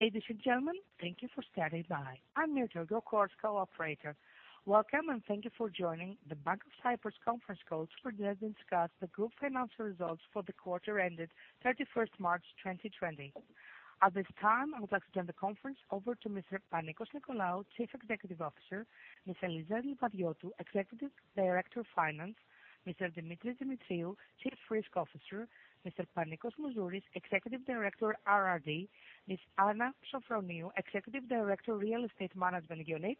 Ladies and gentlemen, thank you for standing by. I'm your Telco conference call operator. Welcome, and thank you for joining the Bank of Cyprus conference call to further discuss the group financial results for the quarter ended 31st March 2020. At this time, I would like to turn the conference over to Mr. Panicos Nicolaou, Chief Executive Officer, Ms. Eliza Livadiotou, Executive Director of Finance, Mr. Demetris Demetriou, Chief Risk Officer, Mr. Panicos Mouzouris, Executive Director, RRD, Ms. Anna Sofroniou, Executive Director, Real Estate Management Unit,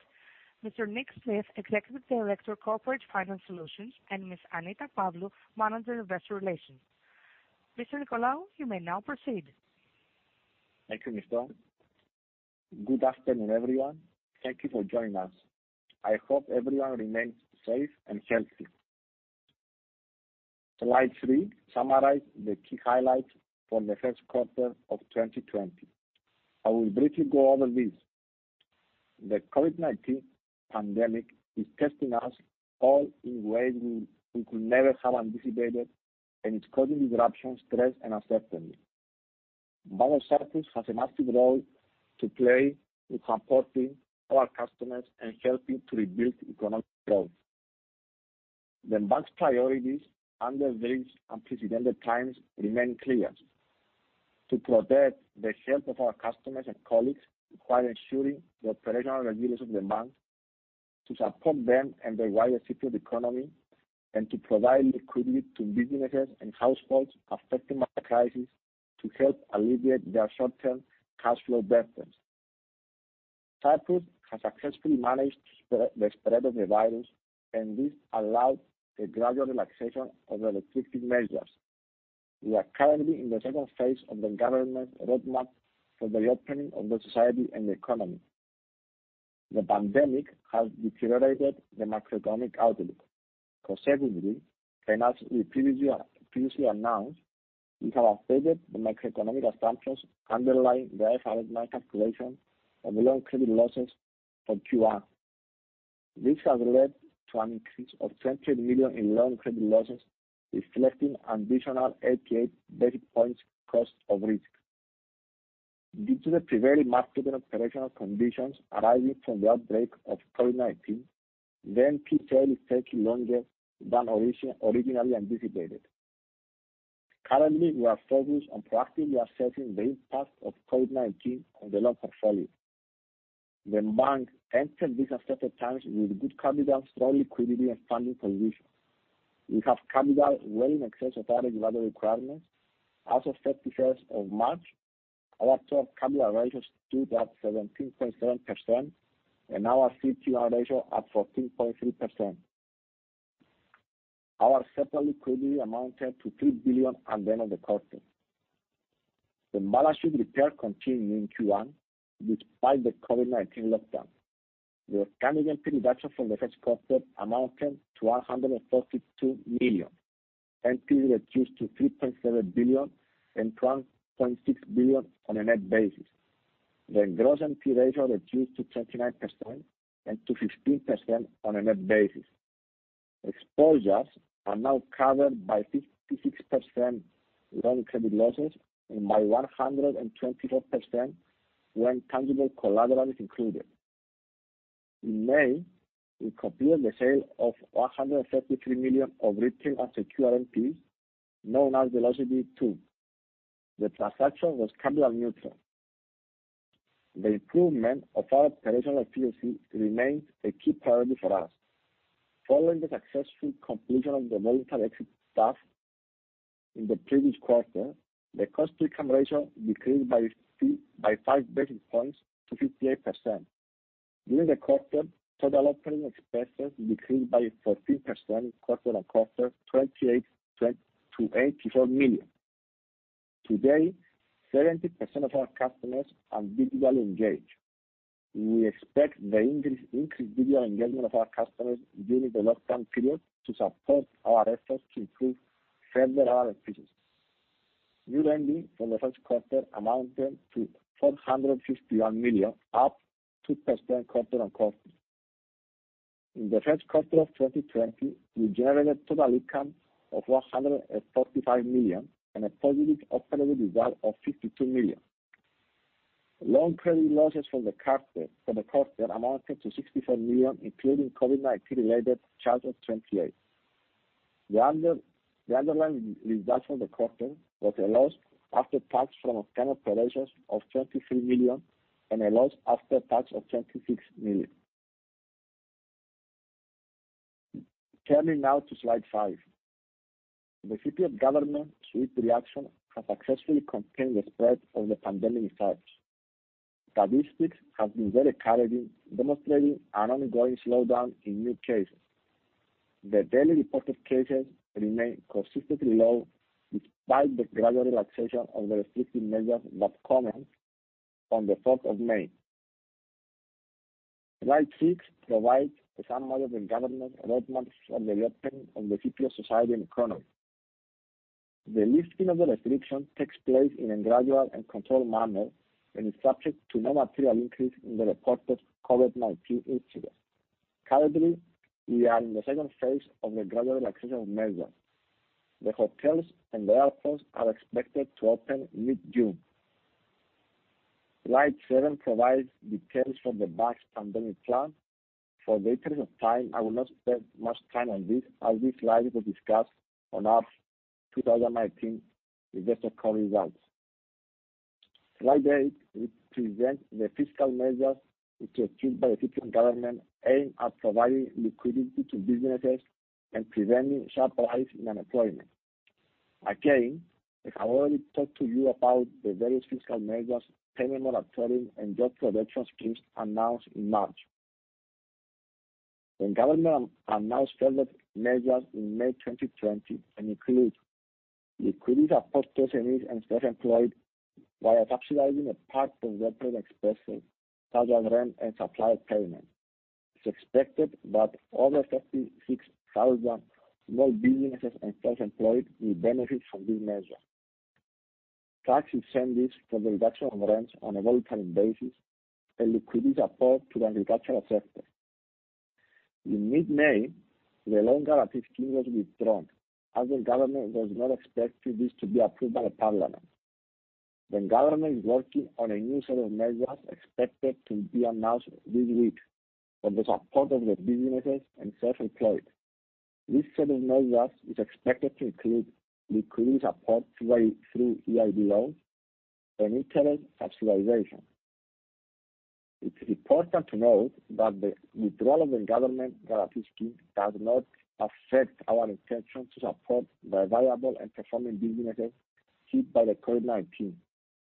Mr. Nick Smith, Executive Director, Corporate Finance Solutions, and Ms. Annita Pavlou, Manager, Investor Relations. Mr. Nicolaou, you may now proceed. Thank you, Nita. Good afternoon, everyone. Thank you for joining us. I hope everyone remains safe and healthy. Slide three summarizes the key highlights from the first quarter of 2020. I will briefly go over these. The COVID-19 pandemic is testing us all in ways we could never have anticipated. It's causing disruption, stress, and uncertainty. Bank of Cyprus has a massive role to play in supporting our customers and helping to rebuild economic growth. The bank's priorities under these unprecedented times remain clear: to protect the health of our customers and colleagues while ensuring the operational resilience of the bank, to support them and the wider Cypriot economy, and to provide liquidity to businesses and households affected by the crisis to help alleviate their short-term cash flow burdens. Cyprus has successfully managed the spread of the virus. This allowed the gradual relaxation of the restrictive measures. We are currently in the second phase of the government roadmap for the reopening of the society and the economy. The pandemic has deteriorated the macroeconomic outlook. Conservatively, and as we previously announced, we have updated the macroeconomic assumptions underlying the IFRS 9 calculation of loan credit losses for Q1. This has led to an increase of 200 million in loan credit losses, reflecting an additional 88 basis points cost of risk. Due to the severely markedly operational conditions arising from the outbreak of COVID-19, the NPE sale is taking longer than originally anticipated. Currently, we are focused on proactively assessing the impact of COVID-19 on the loan portfolio. The Bank entered these uncertain times with good capital, strong liquidity, and funding positions. We have capital well in excess of our regulatory requirements. As of 31st of March, our total capital ratio stood at 17.7% and our CET1 ratio at 14.3%. Our separate liquidity amounted to 3 billion at the end of the quarter. The balance sheet repair continued in Q1 despite the COVID-19 lockdown. The organic NPE reduction from the first quarter amounted to 142 million, NPEs reduced to 3.7 billion and 1.6 billion on a net basis. The gross NPE ratio reduced to 39% and to 15% on a net basis. Exposures are now covered by 56% loan credit losses and by 124% when tangible collateral is included. In May, we completed the sale of 133 million of retail and unsecured NPEs, known as Velocity 2. The transaction was capital neutral. The improvement of our operational efficiency remains a key priority for us. Following the successful completion of the multiple exit staff in the previous quarter, the cost-to-income ratio decreased by 5 basis points to 58%. During the quarter, total operating expenses decreased by 14% quarter-on-quarter, 28% to 84 million. Today, 70% of our customers are digitally engaged. We expect the increased digital engagement of our customers during the lockdown period to support our efforts to improve further our efficiencies. New lending from the first quarter amounted to 451 million, up 2% quarter-on-quarter. In the first quarter of 2020, we generated total income of 145 million and a positive operating result of 52 million. Loan credit losses for the quarter amounted to 64 million, including COVID-19 related charges of 28 million. The underlying result for the quarter was a loss after tax from continued operations of 23 million and a loss after tax of 26 million. Turning now to slide five. The Cypriot government swift reaction has successfully contained the spread of the pandemic in Cyprus. Statistics have been very encouraging, demonstrating an ongoing slowdown in new cases. The daily reported cases remain consistently low despite the gradual relaxation of the restrictive measures that commenced on the 4th of May. Slide six provides a summary of the government roadmaps for the opening of the Cypriot society and economy. The lifting of the restrictions takes place in a gradual and controlled manner and is subject to no material increase in the reported COVID-19 incidents. Currently, we are in the second phase of the gradual relaxation of measures. The hotels and the airports are expected to open mid-June. Slide seven provides details for the Bank of Cyprus' pandemic plan. For the interest of time, I will not spend much time on this, as this slide was discussed on our 2019 investor call results. Slide eight represents the fiscal measures introduced by the Cypriot government aimed at providing liquidity to businesses and preventing sharp rise in unemployment. Again, as I've already talked to you about the various fiscal measures, payment moratorium, and job protection schemes announced in March. The government announced further measures in May 2020 and include liquidity support to SMEs and self-employed via subsidizing a part of their fixed expenses such as rent and supply payment. It's expected that over 36,000 small businesses and self-employed will benefit from this measure. Tax incentives for the reduction of rents on a voluntary basis, and liquidity support to the agricultural sector. In mid-May, the loan guarantee scheme was withdrawn, as the government does not expect this to be approved by the parliament. The government is working on a new set of measures expected to be announced this week for the support of the businesses and self-employed. This set of measures is expected to include liquidity support through EIB loans and interest subsidization. It's important to note that the withdrawal of the government guarantee scheme does not affect our intention to support the viable and performing businesses hit by the COVID-19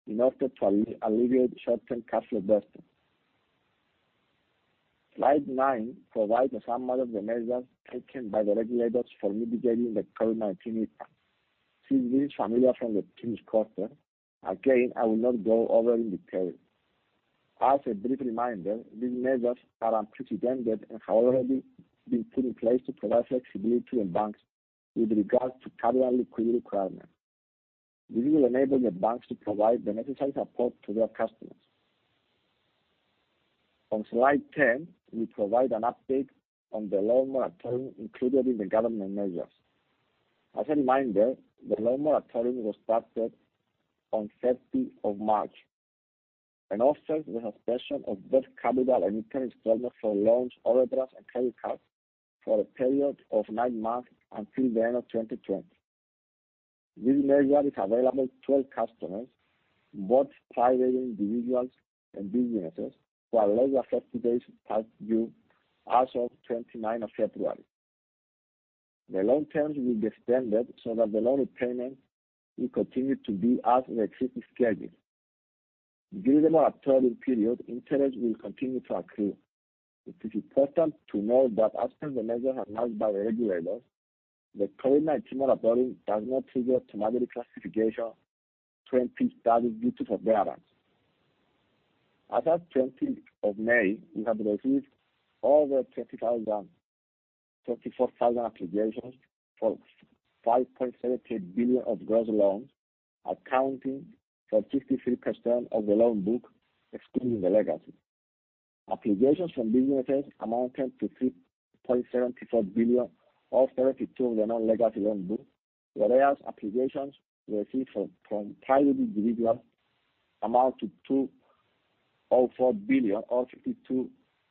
in order to alleviate short-term cash flow bursting. Slide nine provides a summary of the measures taken by the regulators for mitigating the COVID-19 impact. Seems really familiar from the previous quarter. Again, I will not go over in detail. As a brief reminder, these measures are unprecedented and have already been put in place to provide flexibility in banks with regards to capital and liquidity requirements. This will enable the banks to provide the necessary support to their customers. On slide 10, we provide an update on the loan moratorium included in the government measures. As a reminder, the loan moratorium was started on 30th of March and offers the suspension of both capital and interest installment for loans, overdrafts, and credit cards for a period of nine months until the end of 2020. This measure is available to all customers, both private individuals and businesses who are loan affected as due as of 29th of February. The loan terms will be extended so that the loan repayment will continue to be as in the existing schedule. During the moratorium period, interest will continue to accrue. It is important to note that as per the measure announced by the regulators, the COVID-19 moratorium does not trigger automatic classification to NPE status due to forbearance. As at 20th of May, we have received over 34,000 applications for 5.73 billion of gross loans, accounting for 63% of the loan book, excluding the legacy. Applications from businesses amounted to 3.74 billion or 32% of the non-legacy loan book, whereas applications received from private individuals amount to 2.04 billion, or 52%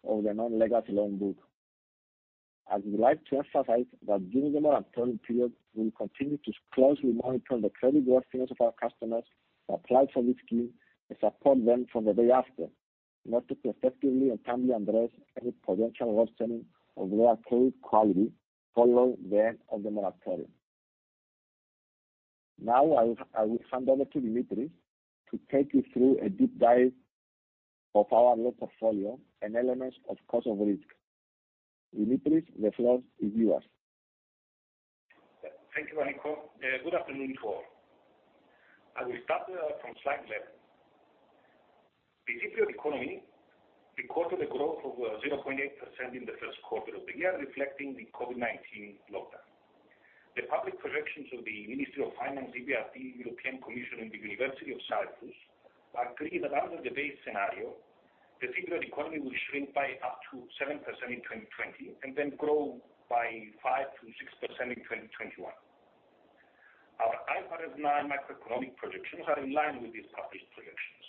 of the non-legacy loan book. I would like to emphasize that during the moratorium period, we'll continue to closely monitor the creditworthiness of our customers who applied for this scheme and support them from the day after in order to effectively and timely address any potential worsening of their credit quality following the end of the moratorium. Now, I will hand over to Demetris to take you through a deep dive of our loan portfolio and elements of cost of risk. Demetris, the floor is yours. Thank you, Panicos. Good afternoon to all. I will start from slide 11. The Cypriot economy recorded a growth of 0.8% in the first quarter of the year, reflecting the COVID-19 lockdown. The public projections of the Ministry of Finance, EBRD, European Commission, and the University of Cyprus agree that under the base scenario, the Cypriot economy will shrink by up to 7% in 2020, and then grow by 5%-6% in 2021. Our IFRS 9 macroeconomic projections are in line with these published projections.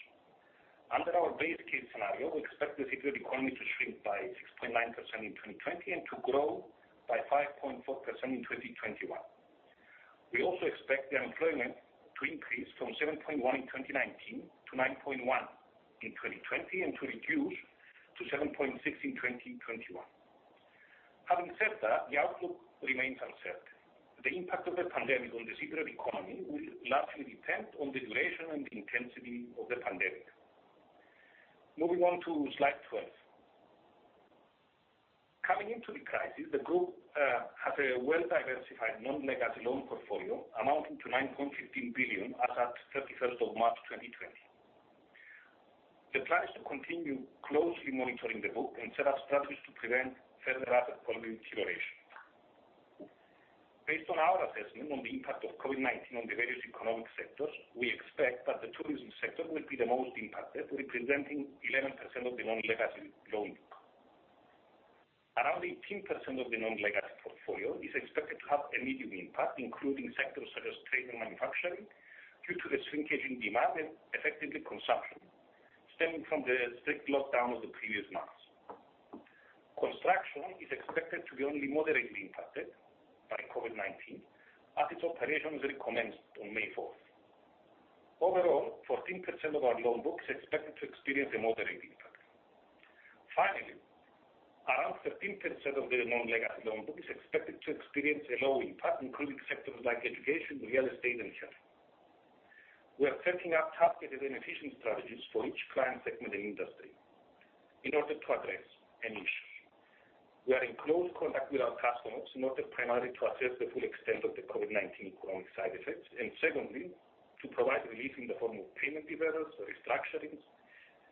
Under our base case scenario, we expect the Cypriot economy to shrink by 6.9% in 2020 and to grow by 5.4% in 2021. We also expect the unemployment to increase from 7.1 in 2019 to 9.1 in 2020, and to reduce to 7.6 in 2021. Having said that, the outlook remains uncertain. The impact of the pandemic on the Cypriot economy will largely depend on the duration and intensity of the pandemic. Moving on to slide 12. Coming into the crisis, the group has a well-diversified non-legacy loan portfolio amounting to 9.15 billion as at 31st of March 2020. The plan is to continue closely monitoring the book and set up strategies to prevent further rapid quality deterioration. Based on our assessment on the impact of COVID-19 on the various economic sectors, we expect that the tourism sector will be the most impacted, representing 11% of the non-legacy loan book. Around 18% of the non-legacy portfolio is expected to have a medium impact, including sectors such as trade and manufacturing, due to the shrinkage in demand and effectively consumption stemming from the strict lockdown of the previous months. Construction is expected to be only moderately impacted by COVID-19 as its operations recommenced on May 4th. Overall, 14% of our loan book is expected to experience a moderate impact. Finally, around 13% of the non-legacy loan book is expected to experience a low impact, including sectors like education, real estate, and health. We are setting up targeted and efficient strategies for each client segment and industry in order to address any issue. We are in close contact with our customers in order primarily to assess the full extent of the COVID-19 economic side effects and secondly, to provide relief in the form of payment deferrals or restructurings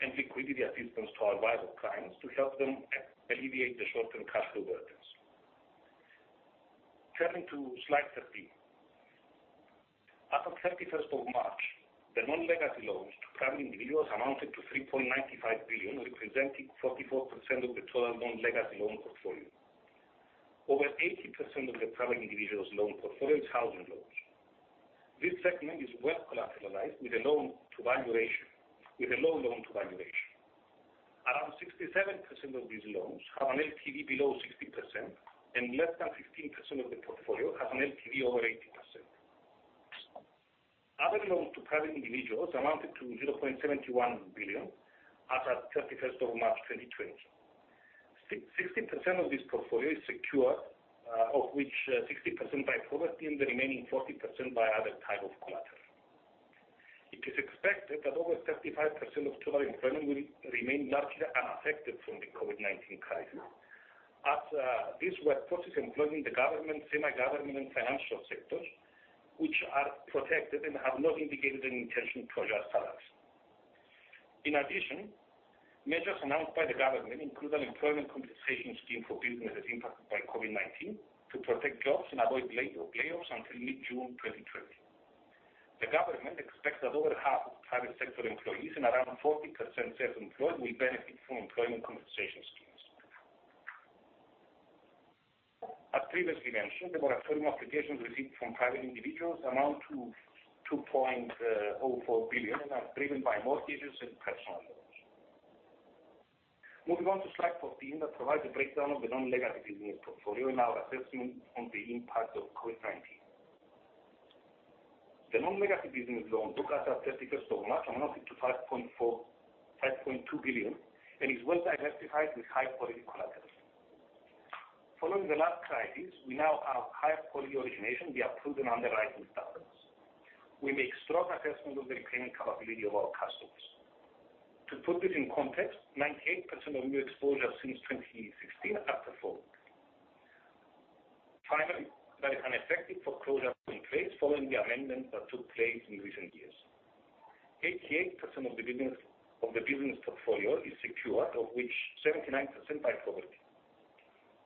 and liquidity assistance to our valued clients to help them alleviate the short-term cash flow burdens. Turning to slide 13. As of 31st of March, the non-legacy loans to private individuals amounted to 3.95 billion, representing 44% of the total non-legacy loan portfolio. Over 80% of the private individuals loan portfolio is housing loans. This segment is well collateralized with a low loan-to-valuation. Around 67% of these loans have an LTV below 60%, and less than 15% of the portfolio has an LTV over 80%. Other loans to private individuals amounted to 0.71 billion as of 31st of March 2020. 60% of this portfolio is secure, of which 60% by property and the remaining 40% by other type of collateral. It is expected that over 35% of total employment will remain largely unaffected from the COVID-19 crisis, as these workforces employed in the government, semi-government, and financial sectors, which are protected and have not indicated any intention to adjust salaries. In addition, measures announced by the government include an employment compensation scheme for businesses impacted by COVID-19 to protect jobs and avoid layoffs until mid-June 2020. The government expects that over half of private sector employees and around 40% self-employed will benefit from employment compensation schemes. As previously mentioned, the moratorium applications received from private individuals amount to 2.04 billion and are driven by mortgages and personal loans. Moving on to slide 14 that provides a breakdown of the non-legacy business portfolio and our assessment on the impact of COVID-19. The non-legacy business loan book as of 31st of March amounted to 5.2 billion and is well diversified with high-quality collateral. Following the last crisis, we now have higher quality origination via proven underwriting standards. We make strong assessment of the repayment capability of our customers. To put this in context, 98% of new exposures since 2016 are performed. Finally, there is an effective foreclosure in place following the amendment that took place in recent years. 88% of the business portfolio is secure, of which 79% by property.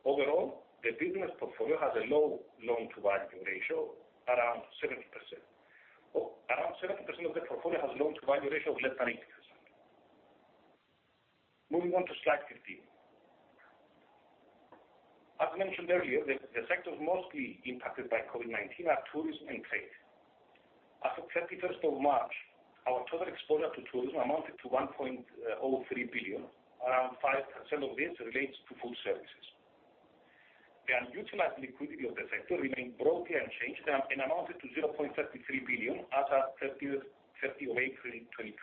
Overall, the business portfolio has a low loan-to-value ratio, around 70% or around 70% of the portfolio has a loan-to-value ratio of less than 80%. Moving on to slide 15. As mentioned earlier, the sectors mostly impacted by COVID-19 are tourism and trade. As of 31st of March, our total exposure to tourism amounted to 1.03 billion. Around 5% of this relates to food services. The unutilized liquidity of the sector remained broadly unchanged and amounted to 0.33 billion as at 30th of April 2020.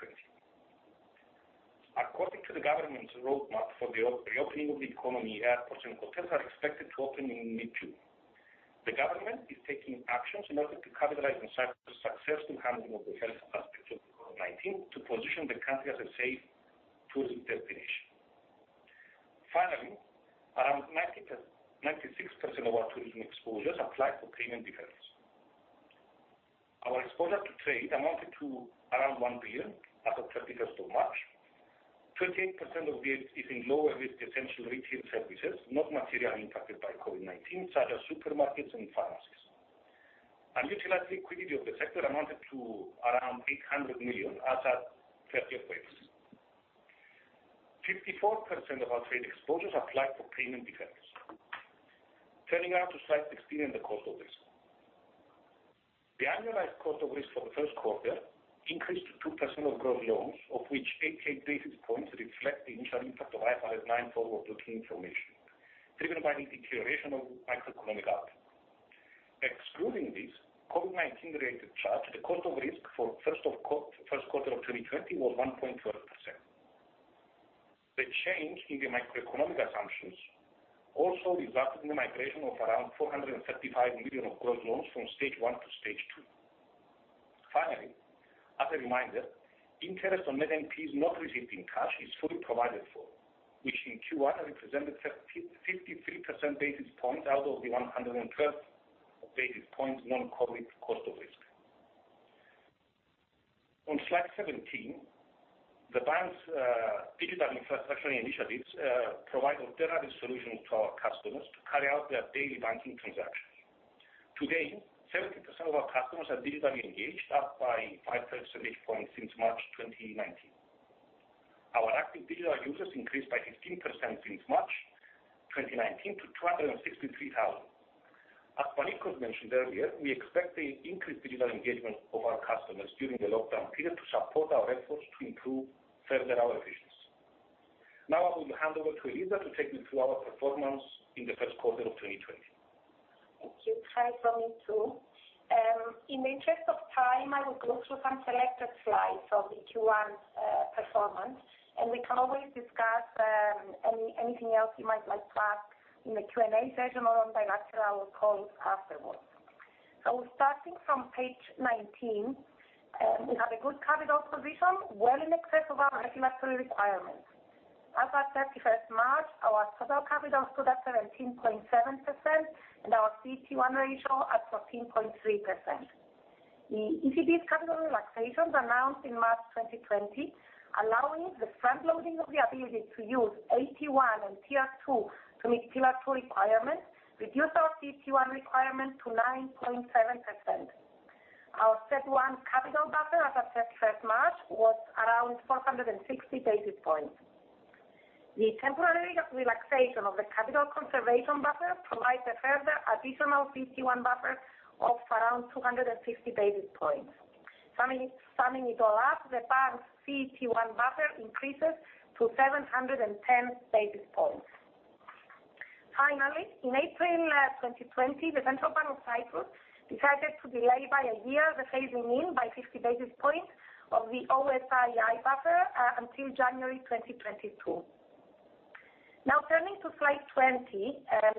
According to the government's roadmap for the reopening of the economy, airports and hotels are expected to open in mid-June. The government is taking actions in order to capitalize on Cyprus' success in handling of the health aspects of COVID-19 to position the country as a safe tourism destination. Finally, around 96% of our tourism exposures applied for payment deferrals. Our exposure to trade amounted to around 1 billion as of 31st of March. 13% of this is in lower risk potential retail services, not materially impacted by COVID-19, such as supermarkets and pharmacies. Unutilized liquidity of the sector amounted to around 800 million as at 30th of April. 54% of our trade exposures applied for payment deferrals. Turning now to slide 16 and the cost of risk. The annualized cost of risk for the first quarter increased to 2% of gross loans, of which 88 basis points reflect the initial impact of IFRS 9 forward-looking information driven by the deterioration of macroeconomic outlook. Excluding this COVID-19 related charge, the cost of risk for first quarter of 2020 was 1.12%. The change in the macroeconomic assumptions also resulted in the migration of around 435 million of gross loans from stage one to stage two. Finally, as a reminder, interest on net NPAs not received in cash is fully provided for, which in Q1 represented 53 basis points out of the 112 basis points non-COVID cost of risk. On slide 17, the bank's digital infrastructure initiatives provide alternative solutions to our customers to carry out their daily banking transactions. Today, 70% of our customers are digitally engaged, up by five percentage points since March 2019. Our active digital users increased by 15% since March 2019 to 263,000. As Panicos mentioned earlier, we expect the increased digital engagement of our customers during the lockdown period to support our efforts to improve further our efficiency. Now I will hand over to Eliza to take you through our performance in the first quarter of 2020. Thank you. Hi from me, too. In the interest of time, I will go through some selected slides of the Q1 performance, and we can always discuss anything else you might like to ask in the Q&A session or on bilateral calls afterwards. Starting from page 19, we have a good capital position well in excess of our regulatory requirements. As at 31st March, our total capital stood at 17.7% and our CET1 ratio at 14.3%. The ECB's capital relaxations announced in March 2020 allowing the front loading of the ability to use AT1 and tier two to meet pillar two requirements reduced our CET1 requirement to 9.7%. Our CET1 capital buffer as at 31st March was around 460 basis points. The temporary relaxation of the capital conservation buffer provides a further additional CET1 buffer of around 250 basis points. Summing it all up, the bank's CET1 buffer increases to 710 basis points. In April 2020, the Central Bank of Cyprus decided to delay by a year the phasing in by 50 basis points of the O-SII buffer, until January 2022. Turning to slide 20.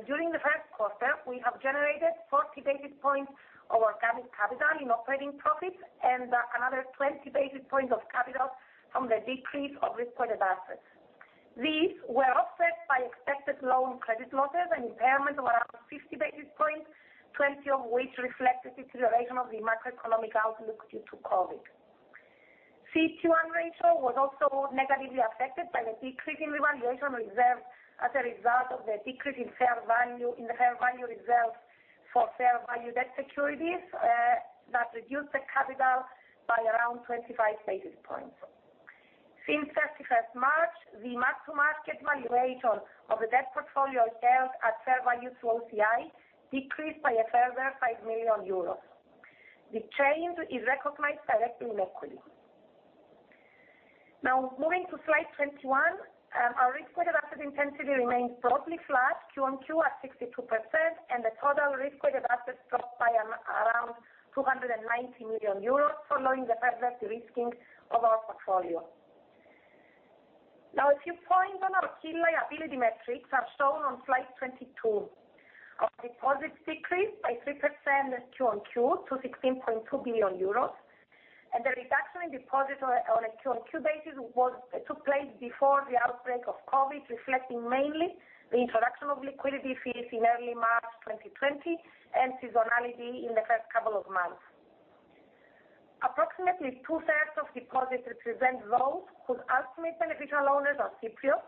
During the first quarter, we have generated 40 basis points of organic capital in operating profits and another 20 basis points of capital from the decrease of risk-weighted assets. These were offset by expected loan credit losses and impairment of around 50 basis points, 20 of which reflected the deterioration of the macroeconomic outlook due to COVID. CET1 ratio was also negatively affected by the decrease in revaluation reserve as a result of the decrease in the fair value reserve for fair value debt securities, that reduced the capital by around 25 basis points. Since 31st March, the mark-to-market valuation of the debt portfolio held at fair value through OCI decreased by a further 5 million euros. The change is recognized directly in equity. Moving to slide 21. Our risk-weighted assets intensity remains broadly flat Q-on-Q at 62%, and the total risk-weighted assets dropped by around 290 million euros, following the further de-risking of our portfolio. A few points on our key liability metrics are shown on slide 22. Our deposits decreased by 3% Q-on-Q to 16.2 billion euros, and the reduction in deposits on a Q-on-Q basis took place before the outbreak of COVID, reflecting mainly the introduction of liquidity fees in early March 2020 and seasonality in the first couple of months. Approximately two-thirds of deposits represent those whose ultimate beneficial owners are Cypriots,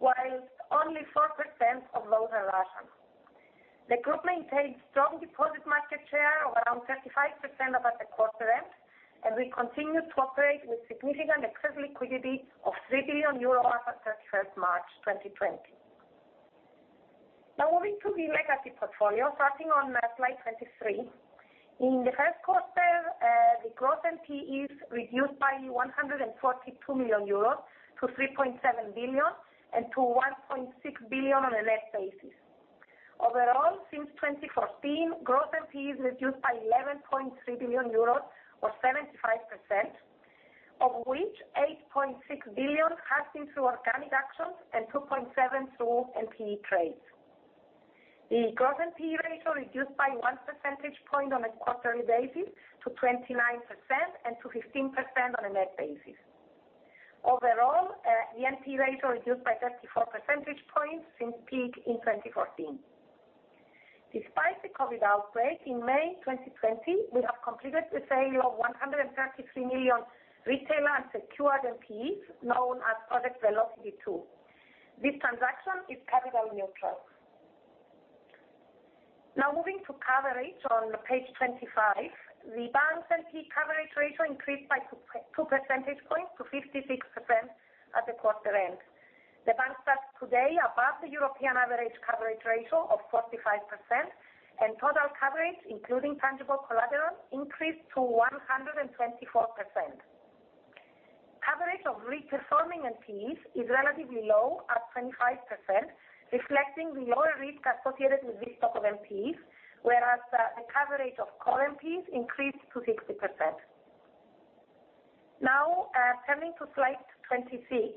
while only 4% of loans are Russian. The group maintains strong deposit market share around 35% above the quarter end. We continue to operate with significant excess liquidity of 3 billion euro as at 31st March 2020. Moving to the legacy portfolio, starting on slide 23. In the first quarter, the gross NPEs reduced by 142 million euros to 3.7 billion and to 1.6 billion on a net basis. Overall, since 2014, gross NPEs reduced by 11.3 billion euros or 75%, of which 8.6 billion has been through organic actions and 2.7 billion through NPE trades. The gross NPE ratio reduced by one percentage point on a quarterly basis to 29% and to 15% on a net basis. Overall, the NPE ratio reduced by 34 percentage points since peak in 2014. Despite the COVID-19 outbreak, in May 2020, we have completed the sale of 133 million retail secured NPEs, known as Project Velocity 2. This transaction is capital neutral. Moving to coverage on page 25. The bank's NPE coverage ratio increased by two percentage points to 56% at the quarter end. The bank stands today above the European average coverage ratio of 45%, and total coverage, including tangible collateral, increased to 124%. Coverage of re-performing NPEs is relatively low at 25%, reflecting the lower risk associated with this stock of NPEs, whereas the coverage of core NPEs increased to 60%. Turning to slide 26.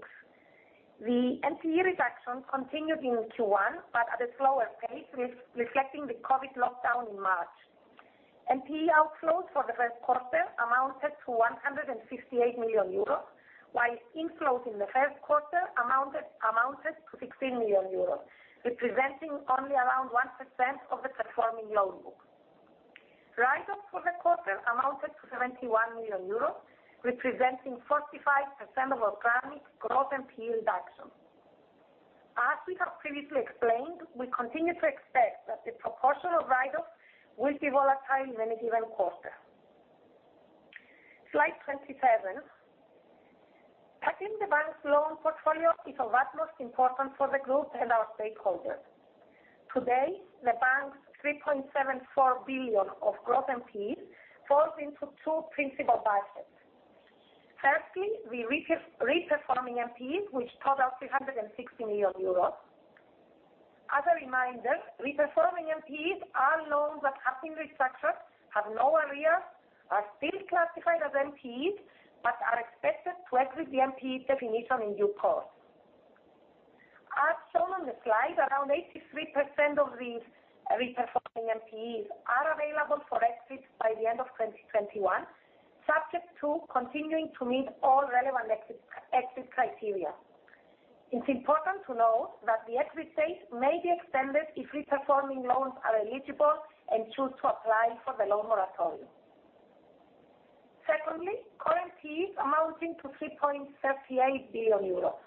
The NPE reduction continued in Q1 but at a slower pace, reflecting the COVID-19 lockdown in March. NPE outflows for the first quarter amounted to 158 million euros, while inflows in the first quarter amounted to 16 million euros, representing only around 1% of the performing loan book. Write-offs for the quarter amounted to 71 million euros, representing 45% of organic gross NPE reduction. As we have previously explained, we continue to expect that the proportion of write-offs will be volatile in any given quarter. Slide 27. I think the bank's loan portfolio is of utmost importance for the group and our stakeholders. Today, the bank's 3.74 billion of gross NPEs falls into two principal baskets. Firstly, the re-performing NPEs, which total 360 million euros. As a reminder, re-performing NPEs are loans that have been restructured, have no arrears, are still classified as NPEs, but are expected to exit the NPE definition in due course. As shown on the slide, around 83% of these re-performing NPEs are available for exit by the end of 2021, subject to continuing to meet all relevant exit criteria. It's important to note that the exit date may be extended if re-performing loans are eligible and choose to apply for the loan moratorium. Current NPEs amounting to 3.38 billion euros.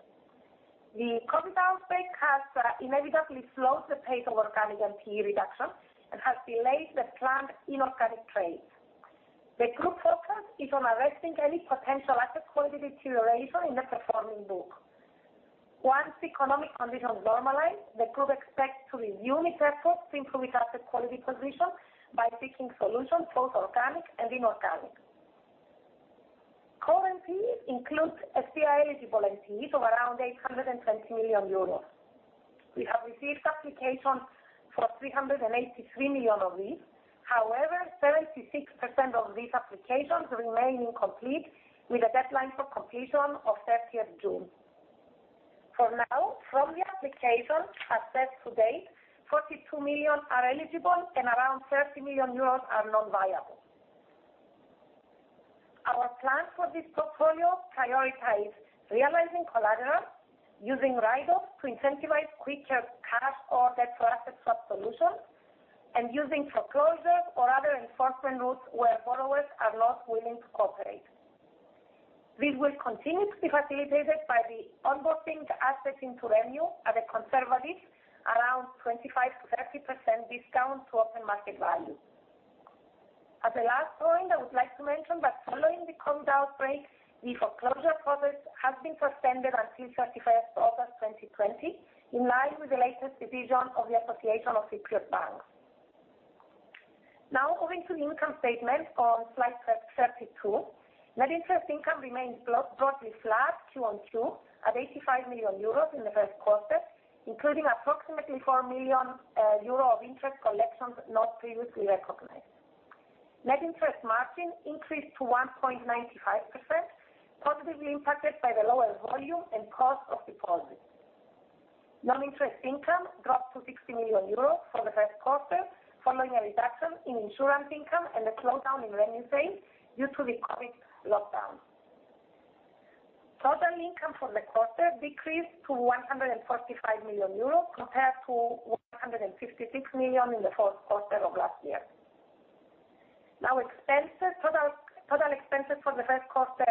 The COVID-19 outbreak has inevitably slowed the pace of organic NPE reduction and has delayed the planned inorganic trades. The group focus is on arresting any potential asset quality deterioration in the performing book. Once economic conditions normalize, the group expects to renew its efforts to improve its asset quality position by seeking solutions, both organic and inorganic. Current NPE includes FCR eligible NPEs of around 820 million euros. We have received applications for 383 million of these. 76% of these applications remain incomplete, with a deadline for completion of 30th June. From the applications assessed to date, 42 million are eligible and around 30 million euros are non-viable. Our plan for this portfolio prioritize realizing collateral, using writeoffs to incentivize quicker cash or debt to asset swap solutions, and using foreclosures or other enforcement routes where borrowers are not willing to cooperate. This will continue to be facilitated by the onboarding the assets into REMU at a conservative, around 25%-30% discount to open market value. As a last point, I would like to mention that following the COVID outbreak, the foreclosure process has been suspended until 31st August 2020 in line with the latest decision of the Association of Cyprus Banks. Moving to the income statement on slide 32. Net interest income remains broadly flat Q1 at 85 million euros in the first quarter, including approximately 4 million euro of interest collections not previously recognized. Net interest margin increased to 1.95%, positively impacted by the lower volume and cost of deposits. Non-interest income dropped to 60 million euros for the first quarter, following a reduction in insurance income and a slowdown in revenue sales due to the COVID-19 lockdown. Total income for the quarter decreased to 145 million euros, compared to 156 million in the fourth quarter of last year. Now expenses. Total expenses for the first quarter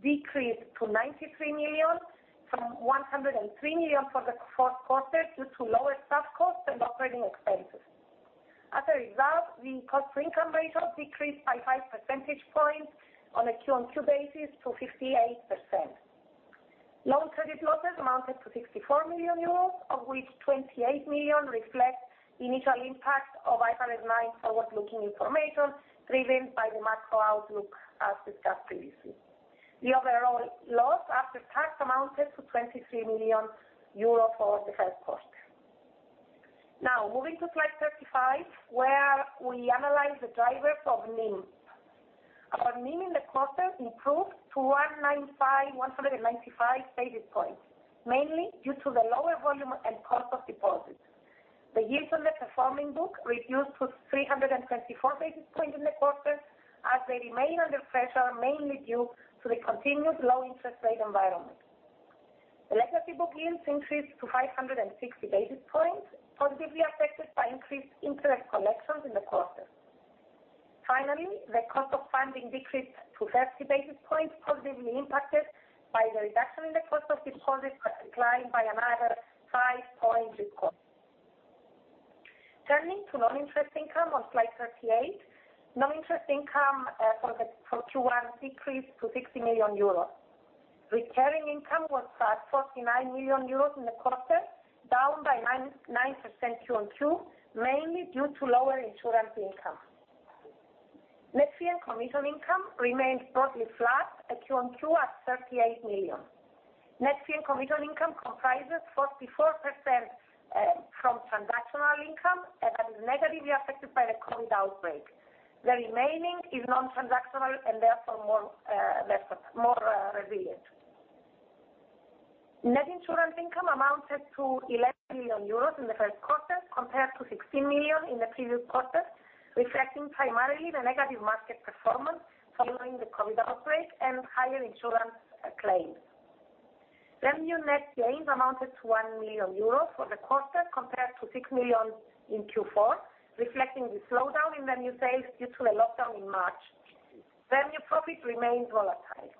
decreased to 93 million from 103 million for the fourth quarter, due to lower staff costs and operating expenses. As a result, the cost to income ratio decreased by five percentage points on a Q-on-Q basis to 58%. Loan credit losses amounted to 64 million euros, of which 28 million reflects initial impact of IFRS 9 forward-looking information, driven by the macro outlook, as discussed previously. The overall loss after tax amounted to 23 million euro for the first quarter. Now moving to slide 35, where we analyze the drivers of NIM. Our NIM in the quarter improved to 195 basis points, mainly due to the lower volume and cost of deposits. The yields on the performing book reduced to 324 basis points in the quarter, as they remain under pressure, mainly due to the continued low interest rate environment. The legacy book yields increased to 560 basis points, positively affected by increased interest collections in the quarter. Finally, the cost of funding decreased to 30 basis points, positively impacted by the reduction in the cost of deposits, but declined by another five points this quarter. Turning to non-interest income on slide 38. Non-interest income for Q1 decreased to 60 million euros. Recurring income was 49 million euros in the quarter, down by 9% Q-on-Q, mainly due to lower insurance income. Net fee and commission income remained broadly flat at Q-on-Q at 38 million. Net fee and commission income comprises 44% from transactional income and is negatively affected by the COVID-19 outbreak. The remaining is non-transactional and therefore more resilient. Net insurance income amounted to 11 million euros in the first quarter, compared to 16 million in the previous quarter, reflecting primarily the negative market performance following the COVID-19 outbreak and higher insurance claims. Revenue net gains amounted to 1 million euros for the quarter, compared to 6 million in Q4, reflecting the slowdown in REMU sales due to the lockdown in March. Your profit remains volatile.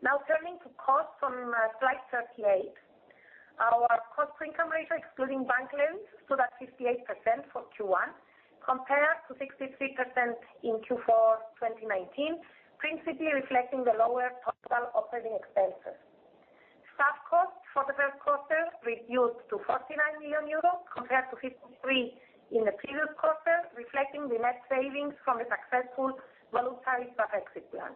Turning to cost on slide 38. Our cost-to-income ratio, excluding bank levy, stood at 58% for Q1, compared to 63% in Q4 2019, principally reflecting the lower total operating expenses. Staff costs for the first quarter reduced to €49 million, compared to €53 million in the previous quarter, reflecting the net savings from the successful voluntary staff exit plan.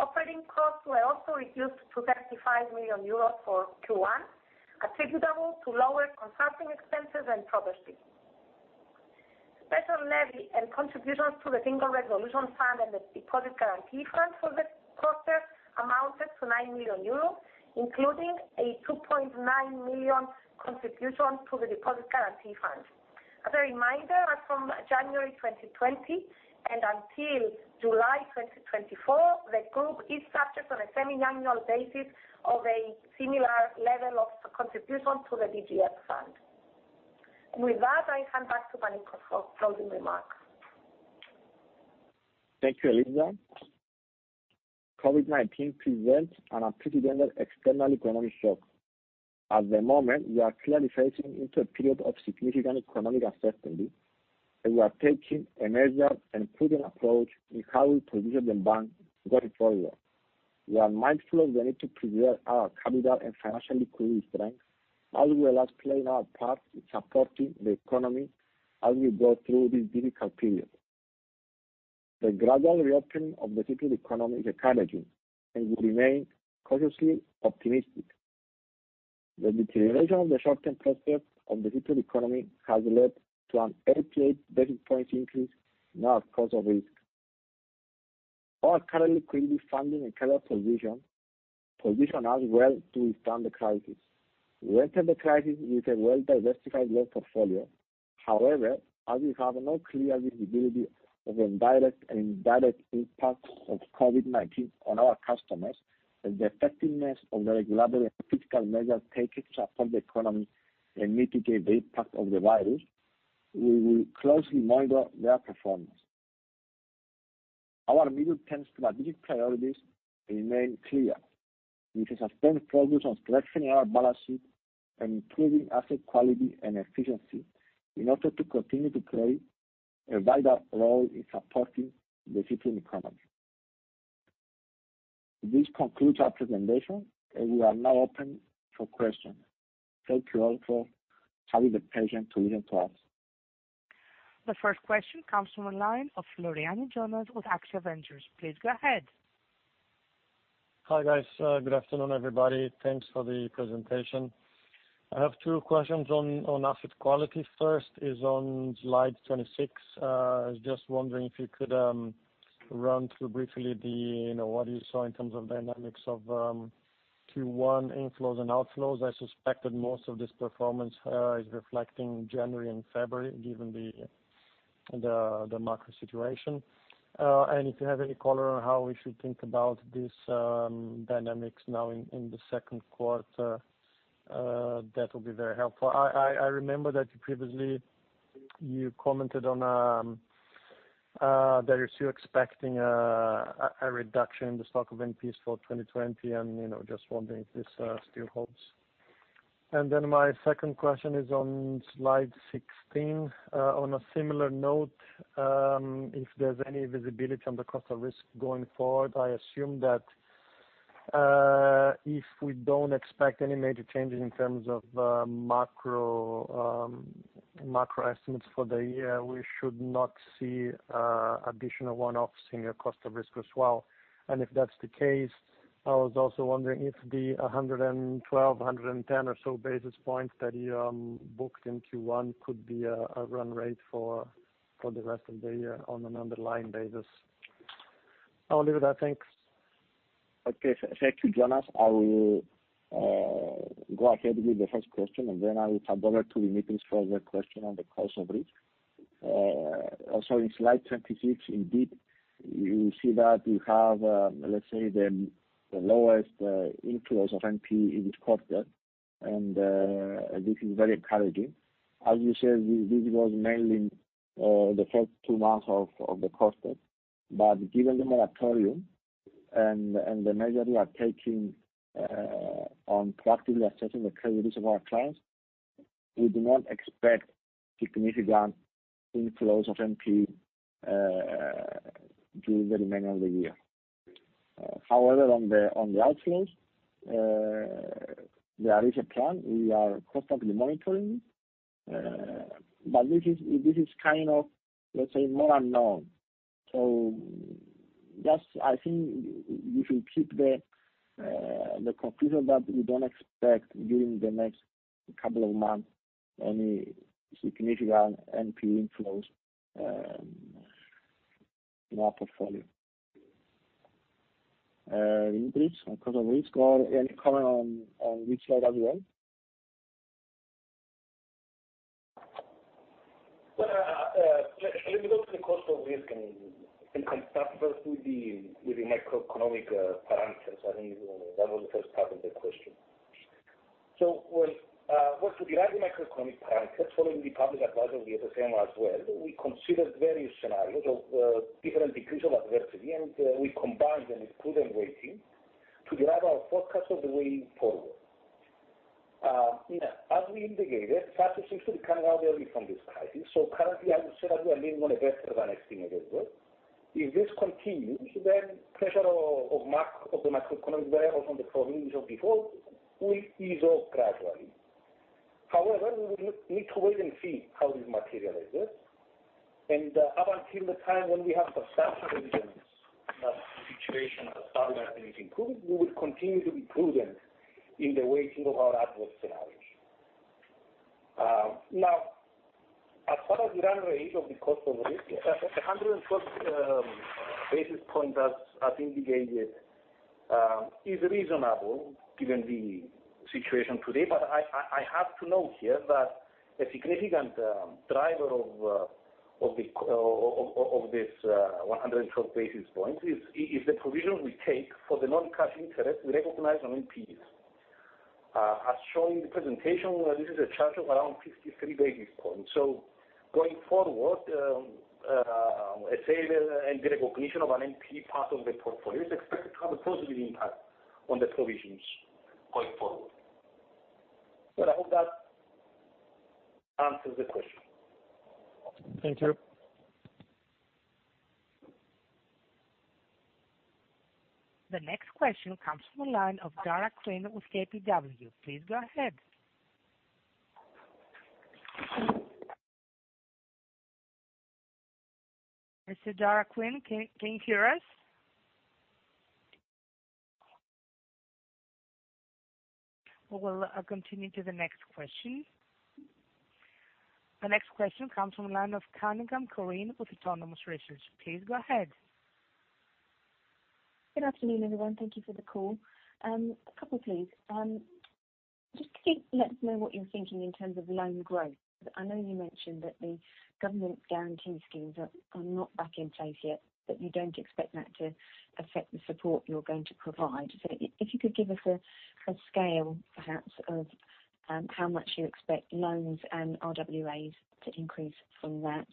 Operating costs were also reduced to €35 million for Q1, attributable to lower consulting expenses and property. Special levy and contributions to the Single Resolution Fund and the Deposit Guarantee Fund for the quarter amounted to €9 million, including a €2.9 million contribution to the Deposit Guarantee Fund. A reminder, as from January 2020 and until July 2024, the Group is subject on a semiannual basis of a similar level of contribution to the DGF fund. With that, I hand back to Panicos for closing remarks. Thank you, Eliza. COVID-19 presents an unprecedented external economic shock. At the moment, we are clearly facing into a period of significant economic uncertainty, and we are taking a measured and prudent approach in how we position the bank going forward. We are mindful of the need to preserve our capital and financial liquidity strength, as well as playing our part in supporting the economy as we go through this difficult period. The gradual reopening of the Cypriot economy is encouraging, and we remain cautiously optimistic. The deterioration of the short-term prospects of the Cypriot economy has led to an 88 basis points increase in our cost of risk. Our currently critically funding and covered position us well to withstand the crisis. We entered the crisis with a well-diversified loan portfolio. However, as we have no clear visibility of the direct and indirect impacts of COVID-19 on our customers and the effectiveness of the regulatory and fiscal measures taken to support the economy and mitigate the impact of the virus, we will closely monitor their performance. Our medium-term strategic priorities remain clear. With a sustained focus on strengthening our balance sheet and improving asset quality and efficiency in order to continue to play a vital role in supporting the Cypriot economy. This concludes our presentation, and we are now open for questions. Thank you all for having the patience to listen to us. The first question comes from the line of Floriani Jonas with AXIA Ventures. Please go ahead. Hi, guys. Good afternoon, everybody. Thanks for the presentation. I have two questions on asset quality. First is on slide 26. I was just wondering if you could run through briefly what you saw in terms of dynamics of Q1 inflows and outflows. I suspect that most of this performance is reflecting January and February, given the macro situation. If you have any color on how we should think about these dynamics now in the second quarter, that will be very helpful. I remember that previously you commented that you're still expecting a reduction in the stock of NPs for 2020, and just wondering if this still holds. My second question is on slide 16. On a similar note, if there's any visibility on the cost of risk going forward, I assume that if we don't expect any major changes in terms of macro estimates for the year, we should not see additional one-offs in your cost of risk as well. If that's the case, I was also wondering if the 112, 110 or so basis points that you booked in Q1 could be a run rate for the rest of the year on an underlying basis. I'll leave it there. Thanks. Okay. Thank you, Jonas. I will go ahead with the first question, and then I will tap over to Demetris for the question on the cost of risk. In slide 26, indeed, you see that we have, let's say, the lowest inflows of NPE in this quarter, and this is very encouraging. As you said, this was mainly the first two months of the quarter. Given the moratorium and the measure we are taking on proactively assessing the credit risk of our clients, we do not expect significant inflows of NPE during the remainder of the year. However, on the outflows, there is a plan. We are constantly monitoring it. This is kind of, let's say, more unknown. Just, I think we should keep the conclusion that we don't expect during the next couple of months any significant NPE inflows in our portfolio. Demetris, on cost of risk, or any comment on which slide are you on? Let me go to the cost of risk and start first with the macroeconomic parameters. I think that was the first part of the question. To derive the macroeconomic parameters following the public advisor of the SSM as well, we considered various scenarios of different degrees of adversity, and we combined them with prudent weighting to derive our forecast of the way forward. As we indicated, SARS seems to be coming out early from this crisis. Currently, I would say that we are leaning on a better than expected result. If this continues, pressure of the macroeconomic variables on the provision before will ease off gradually. However, we would need to wait and see how this materializes, and up until the time when we have substantial evidence that the situation has started and is improving, we will continue to be prudent in the weighting of our adverse scenarios. As far as the run rate of the cost of risk, 112 basis points, as indicated, is reasonable given the situation today. I have to note here that a significant driver of this 112 basis points is the provision we take for the non-cash interest we recognize on NPEs. As shown in the presentation, this is a charge of around 53 basis points. Going forward, a sale and the recognition of an NPE part of the portfolio is expected to have a positive impact on the provisions going forward. I hope that answers the question. Thank you. The next question comes from the line of Daragh Quinn with KBW. Please go ahead. Mr. Daragh Quinn, can you hear us? We will continue to the next question. The next question comes from the line of Corinne Cunningham with Autonomous Research. Please go ahead. Good afternoon, everyone. Thank you for the call. A couple, please. Can you let us know what you're thinking in terms of loan growth? I know you mentioned that the government guarantee schemes are not back in place yet, you don't expect that to affect the support you're going to provide. If you could give us a scale, perhaps, of how much you expect loans and RWAs to increase from that.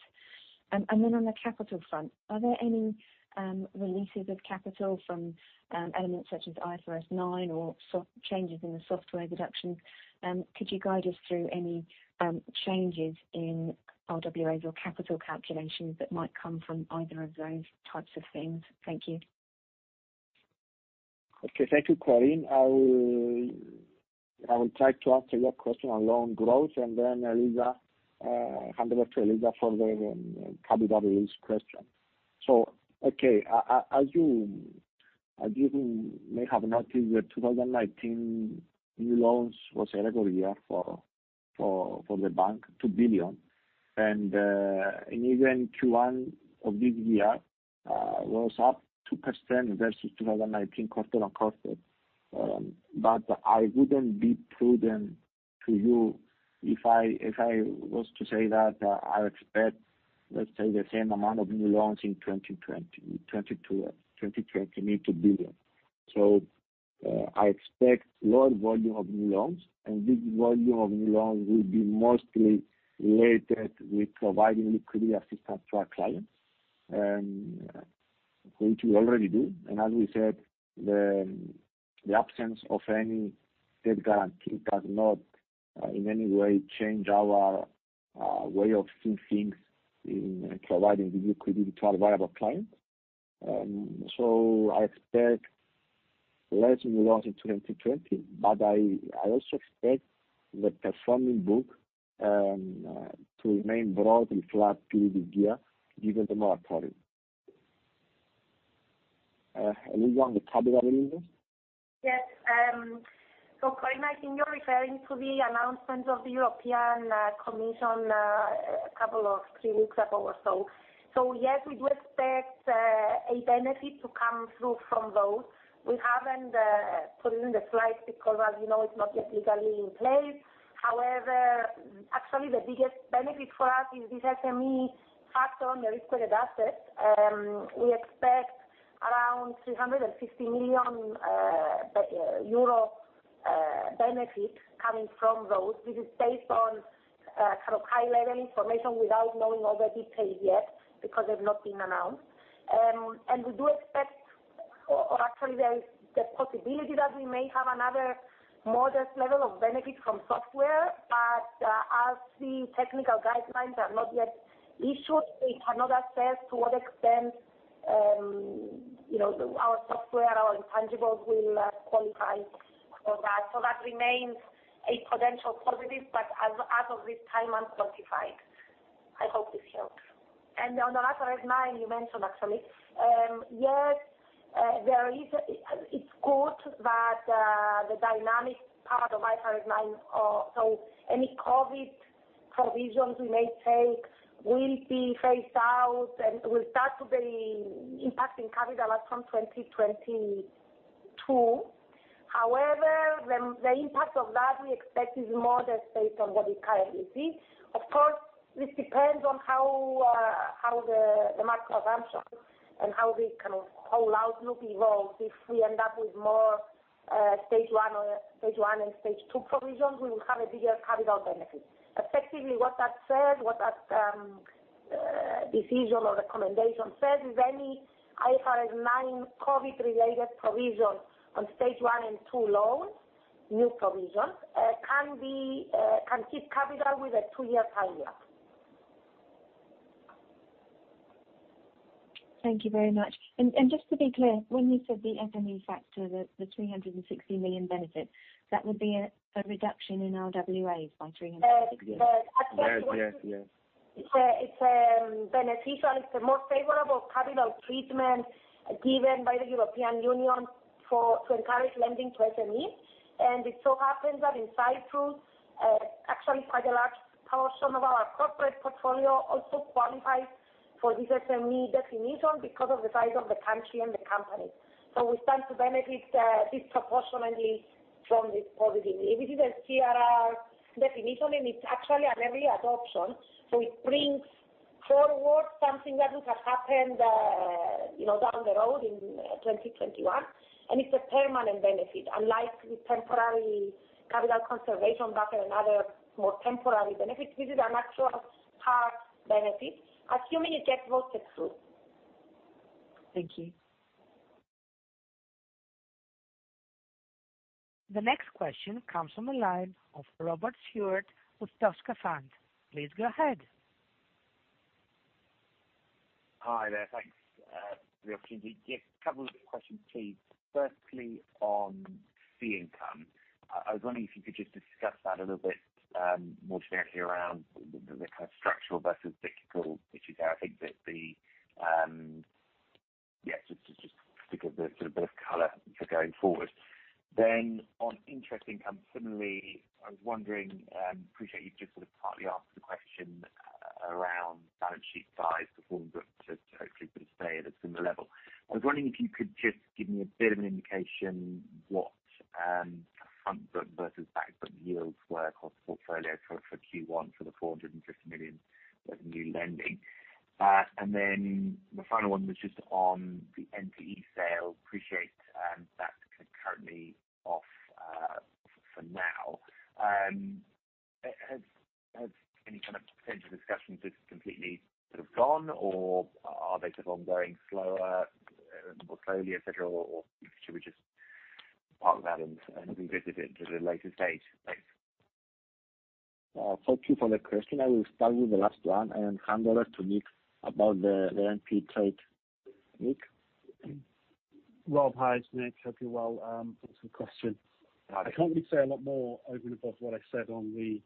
On the capital front, are there any releases of capital from elements such as IFRS 9 or changes in the software deductions? Could you guide us through any changes in RWAs or capital calculations that might come from either of those types of things? Thank you. Okay. Thank you, Corinne. I will try to answer your question on loan growth, then I will hand over to Eliza for the capital raise question. Okay, as you may have noticed, the 2019 new loans was a record year for the bank, 2 billion, and even Q1 of this year was up 2% versus 2019, quarter-on-quarter. I wouldn't be prudent to you if I was to say that I expect, let's say, the same amount of new loans in 2020, near 2 billion. I expect large volume of new loans, and this volume of new loans will be mostly related with providing liquidity assistance to our clients, which we already do. As we said, the absence of any state guarantee does not in any way change our way of seeing things in providing the liquidity to our viable clients. I expect less new loans in 2020, but I also expect the performing book to remain broadly flat through this year, given the moratorium. Eliza, on the capital release? Yes. Corinne, I think you're referring to the announcement of the European Commission a couple of, three weeks ago or so. Yes, we do expect a benefit to come through from those. We haven't put it in the slides because as you know, it's not yet legally in place. However, actually, the biggest benefit for us is this SME factor on the risk-weighted assets. We expect around 350 million euro benefit coming from those, which is based on high-level information without knowing all the details yet, because they've not been announced. We do expect, or actually, there is the possibility that we may have another modest level of benefit from software. As the technical guidelines are not yet issued, we cannot assess to what extent our software, our intangibles will qualify for that. That remains a potential positive, but as of this time, unquantified. I hope this helps. On the IFRS 9 you mentioned, actually. Yes, it's good that the dynamic part of IFRS 9, so any COVID provisions we may take will be phased out and will start to be impacting capital from 2022. However, the impact of that we expect is modest based on what we currently see. Of course, this depends on how the macro assumptions and how the whole outlook evolves. If we end up with more stage one and stage two provisions, we will have a bigger capital benefit. Effectively, what that decision or recommendation says is any IFRS 9 COVID related provision on stage one and two loans, new provisions, can keep capital with a two-year time lag. Thank you very much. Just to be clear, when you said the SME factor, the 360 million benefit, that would be a reduction in our RWAs by 360 million? Yes. Yes. It's beneficial. It's the most favorable capital treatment given by the European Union to encourage lending to SMEs. It so happens that in Cyprus, actually quite a large portion of our corporate portfolio also qualifies for this SME definition because of the size of the country and the companies. We stand to benefit disproportionately from this positively. This is a CRR definition, and it's actually an early adoption. It brings forward something that would have happened down the road in 2021, and it's a permanent benefit, unlike the temporary capital conservation buffer and other more temporary benefits. This is an actual hard benefit, assuming it gets voted through. Thank you. The next question comes from the line of Robert Stewart with Toscafund. Please go ahead. Hi there. Thanks for the opportunity. Just a couple of questions, please. Firstly, on fee income, I was wondering if you could just discuss that a little bit more generally around the structural versus cyclical issues there. Just to give a bit of color for going forward. On interest income, similarly, I was wondering, appreciate you've just sort of partly answered the question around balance sheet size performance, but just hopefully can stay at a similar level. I was wondering if you could just give me a bit of an indication what front book versus back book yields were across the portfolio for Q1 for the 450 million of new lending. The final one was just on the NPE sale. Appreciate that's currently off for now. Have any kind of potential discussions just completely gone or are they just ongoing slower, the portfolio, et cetera, or should we just park that and revisit it at a later stage? Thanks. Thank you for the question. I will start with the last one and hand over to Nick about the NPE trade. Nick? Rob, hi, it's Nick. Hope you're well. Thanks for the question. I can't really say a lot more over and above what I said on the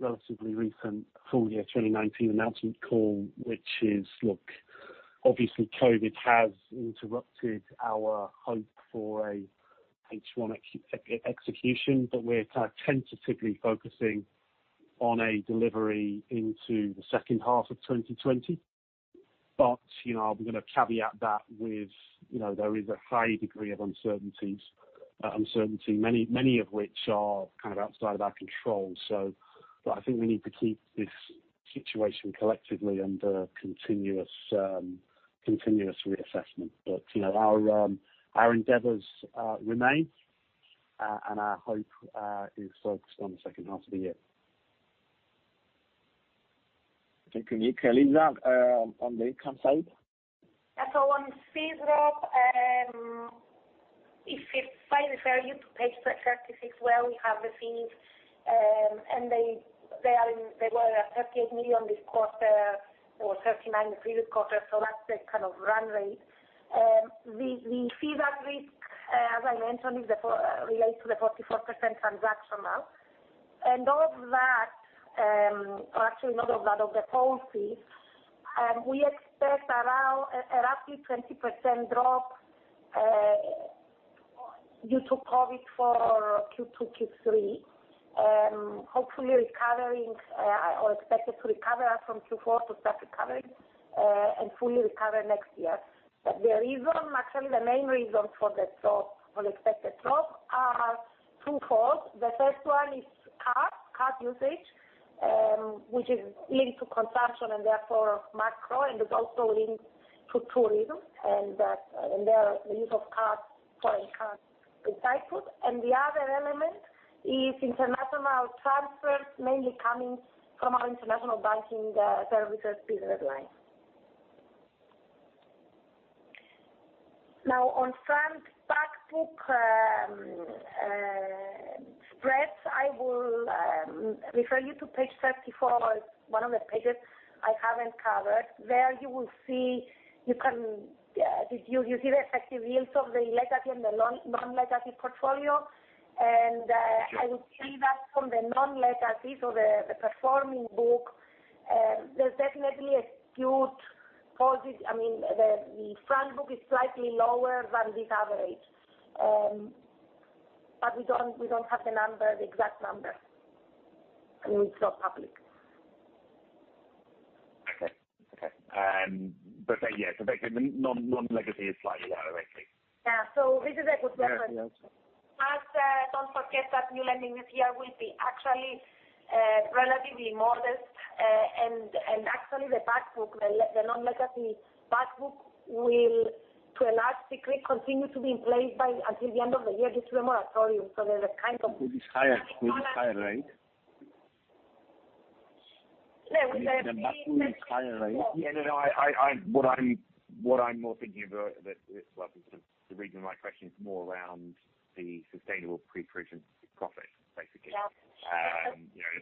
relatively recent full year 2019 announcement call, which is, look, obviously COVID has interrupted our hope for a H1 execution. We're tentatively focusing on a delivery into the second half of 2020. We're going to caveat that with, there is a high degree of uncertainty, many of which are outside of our control. I think we need to keep this situation collectively under continuous reassessment. Our endeavors remain, and our hope is focused on the second half of the year. Thank you, Nick. Eliza, on the income side? On fees, Rob, if I refer you to page 36 where we have the fees, they were at 38 million this quarter or 39 million the previous quarter, that's the kind of run rate. The fee at risk, as I mentioned, relates to the 44% transactional. Of that, or actually not of that, of the whole fees, we expect a roughly 20% drop due to COVID for Q2, Q3, hopefully recovering or expected to recover from Q4 to start recovering, fully recover next year. The reason, actually, the main reasons for the expected drop are twofold. The first one is card usage, which is linked to consumption and therefore macro, is also linked to tourism and the use of cards for enhanced in Cyprus. The other element is international transfers mainly coming from our international banking services business line. Now on front back book spreads, I will refer you to page 34, one of the pages I haven't covered. There you will see the effective yields of the legacy and the non-legacy portfolio. I would say that from the non-legacy, so the performing book, there's definitely a skewed I mean, the front book is slightly lower than this average. We don't have the exact number, and it's not public. Yes, effective non-legacy is slightly lower, actually. Yeah. This is a good reference. Yeah. Don't forget that new lending this year will be actually relatively modest. Actually, the back book, the non-legacy back book will, to a large degree, continue to be in place until the end of the year due to the moratorium. There's a kind of. It is higher too, higher rate. Yeah. The back book is higher rate. Yeah. No, what I'm more thinking about, the reason why I question is more around the sustainable pre-provision profit, basically. Yeah.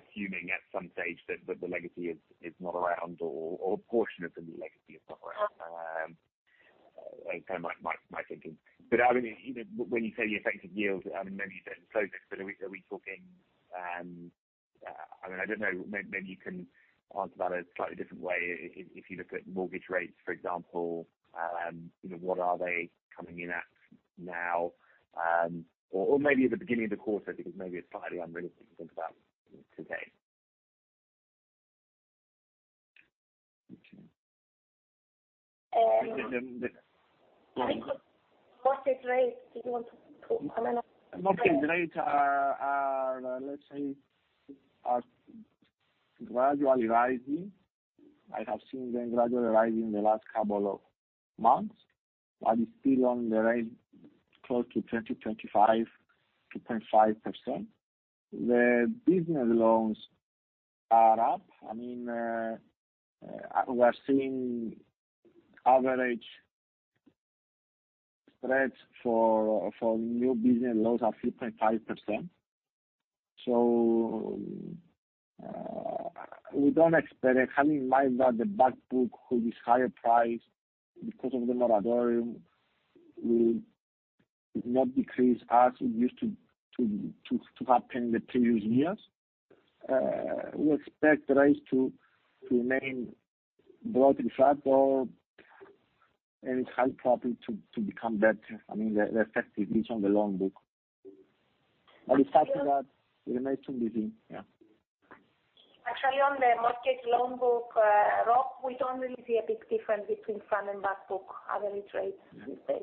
Assuming at some stage that the legacy is not around or a portion of the new legacy is not around. Yeah. Is my thinking. When you say the effective yield, maybe you said so, but are we talking I mean, I don't know, maybe you can answer that a slightly different way. If you look at mortgage rates, for example, what are they coming in at now? Maybe at the beginning of the quarter, because maybe it's slightly unrealistic to think about today. Okay. Mortgage rates, did you want to talk? I mean. Mortgage rates are, let's say, are gradually rising. I have seen them gradually rising in the last couple of months, but it's still on the range close to 20, 25, 2.5%. The business loans are up. I mean, we are seeing average spreads for new business loans are 3.5%. We don't expect, having in mind that the back book, who is higher priced because of the moratorium, will not decrease as it used to happen in the previous years. We expect rates to remain broadly flat or any high profit to become better. I mean, the effectiveness on the loan book. Aside from that, we remain too busy. Yeah. Actually, on the mortgage loan book, Rob, we don't really see a big difference between front and back book average rates these days. Okay. Perfect. Mostly the business loans where this spread.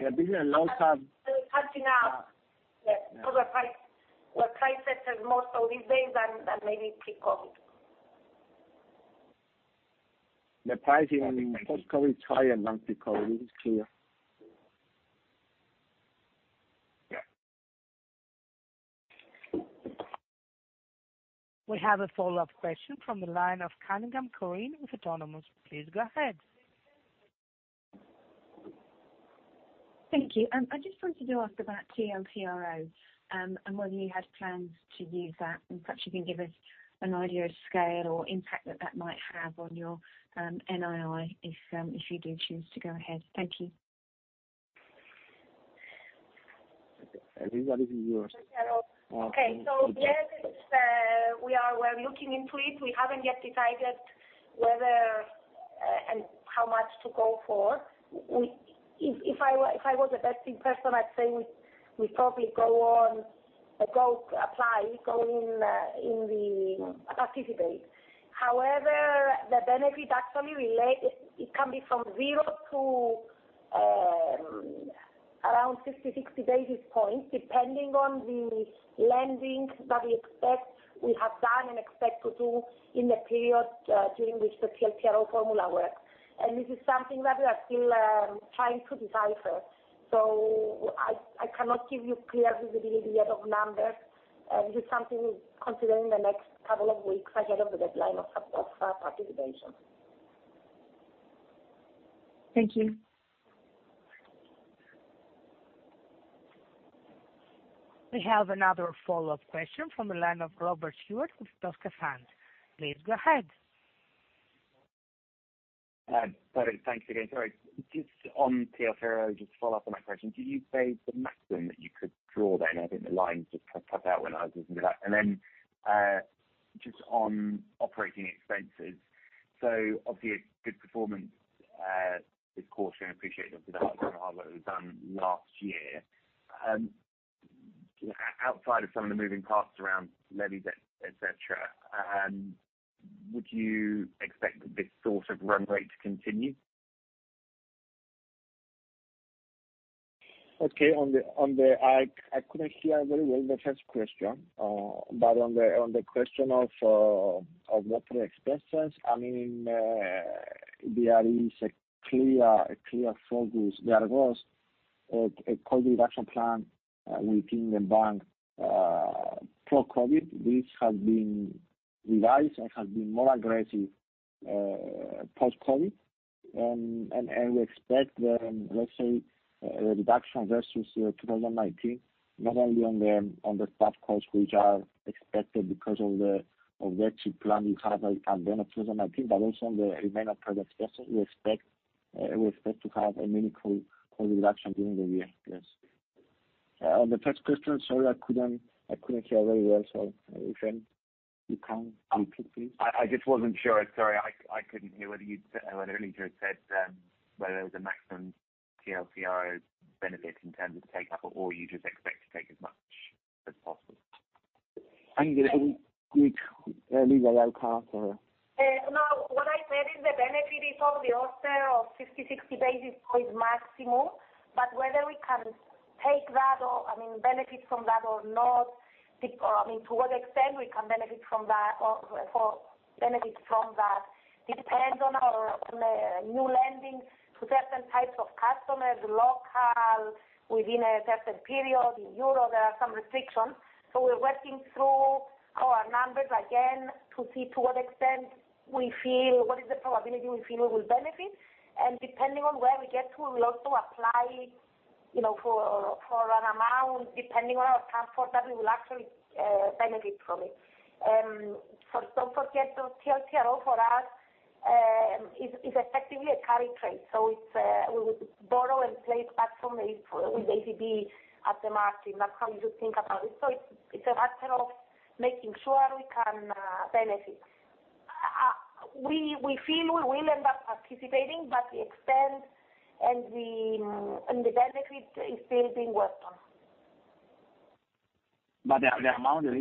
The business loans have. They're punching up. Where price sets in more so these days than maybe pre-COVID. The pricing post-COVID is higher than pre-COVID, it's clear. Yeah. We have a follow-up question from the line of Corinne Cunningham with Autonomous. Please go ahead. Thank you. I just wanted to ask about TLTRO, whether you had plans to use that? Perhaps you can give us an idea of scale or impact that that might have on your NII if you do choose to go ahead. Thank you. This one is yours. Okay. Yes, we are well looking into it. We haven't yet decided whether and how much to go for. If I was a betting person, I'd say we'd probably go on, apply, go in, participate. However, the benefit actually relate, it can be from zero to around 50, 60 basis points, depending on the lending that we expect we have done and expect to do in the period, during which the TLTRO formula works. This is something that we are still trying to decipher, so I cannot give you clear visibility yet of numbers. This is something we'll consider in the next couple of weeks ahead of the deadline of participation. Thank you. We have another follow-up question from the line of Robert Stewart with Toscafund. Please go ahead. Hi. Thanks again. Sorry. Just on TLTRO, just to follow up on that question. Do you pay the maximum that you could draw then? I think the line just cut out when I was listening to that. Just on operating expenses. Obviously a good performance this quarter, and appreciated after the hard work that was done last year. Outside of some of the moving parts around levies, et cetera, would you expect this sort of run rate to continue? Okay. I couldn't hear very well the first question. On the question of operating expenses, there is a clear focus. There was a cost reduction plan within the bank pre-COVID, which has been revised and has been more aggressive post-COVID. We expect the, let's say, reduction versus 2019, not only on the staff costs, which are expected because of the exit plan we had at the end of 2019, but also on the remainder of product expenses, we expect to have a meaningful cost reduction during the year, yes. On the first question, sorry, I couldn't hear very well. You can, I'm confused. I just wasn't sure. Sorry, I couldn't hear whether Eliza had said whether there was a maximum TLTRO benefit in terms of take-up or you just expect to take as much as possible? Eliza, I'll pass her. No, what I said is the benefit is of the order of 50, 60 basis points maximum, but whether we can take that, benefit from that or not, to what extent we can benefit from that depends on our new lending to certain types of customers, local, within a certain period. In EUR there are some restrictions. We're working through our numbers again to see to what extent we feel, what is the probability we feel we will benefit, and depending on where we get to, we will also apply for an amount, depending on our comfort, that we will actually benefit from it. Don't forget, the TLTRO for us, is effectively a carry trade. We would borrow and place back with ECB at the margin. That's how we would think about it. It's a matter of making sure we can benefit. We feel we will end up participating, but the extent and the benefit is still being worked on. The amount of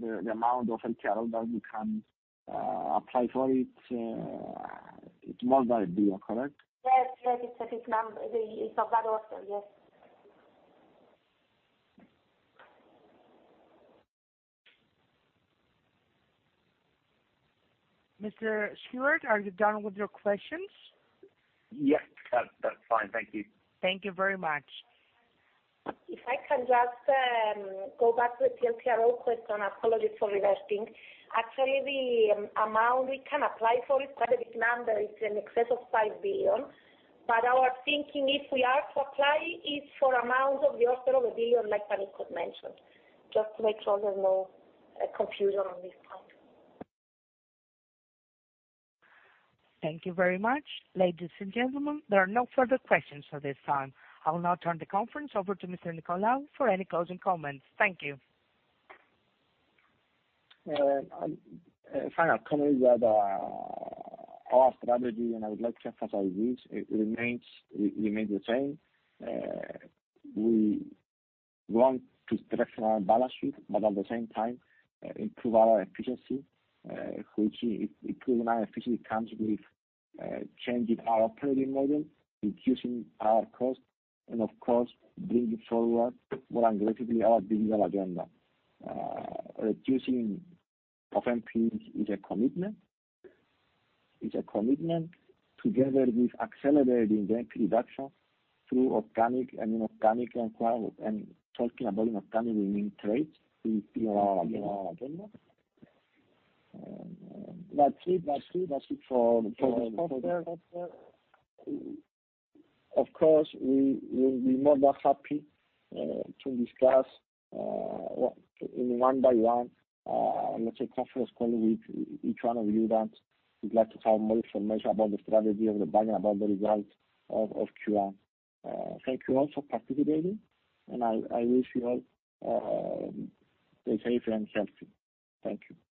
TLTRO that we can apply for, it's more than EUR 1 billion, correct? Yes. It's of that order. Yes. Mr. Stewart, are you done with your questions? Yes. That's fine. Thank you. Thank you very much. If I can just go back to the TLTRO question, apologies for interrupting. Actually, the amount we can apply for, specific number is in excess of 5 billion. Our thinking, if we are to apply, is for amount of the order of 1 billion, like Panicos mentioned. Just to make sure there's no confusion on this point. Thank you very much. Ladies and gentlemen, there are no further questions at this time. I will now turn the conference over to Mr. Nicolaou for any closing comments. Thank you. Final comment is that our strategy, and I would like to emphasize this, remains the same. We want to strengthen our balance sheet, but at the same time, improve our efficiency. Which improving our efficiency comes with changing our operating model, reducing our cost, and of course, bringing forward more aggressively our digital agenda. Reducing of NPAs is a commitment, together with accelerating the reduction through organic and inorganic and talking about inorganic, we mean trades in our agenda. That's it for the presentation. Of course, we would be more than happy to discuss one by one, let's say, conference call with each one of you that would like to have more information about the strategy of the bank and about the results of Q1. Thank you all for participating, and I wish you all stay safe and healthy. Thank you.